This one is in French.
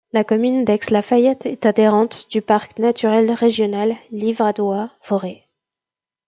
La commune d'Aix-la-Fayette est adhérente du parc naturel régional Livradois-Forez.